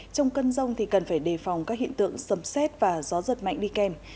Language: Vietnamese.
trong cơn rông thì cần phải đề phòng các hiện tượng sầm xét và gió giật mạnh đi kèm